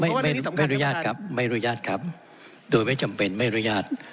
ไม่ไม่อนุญาตครับไม่อนุญาตครับโดยไม่จำเป็นไม่อนุญาต